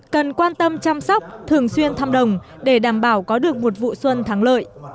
cần quan tâm chăm sóc thường xuyên thăm đồng để đảm bảo có được một vụ xuân thắng lợi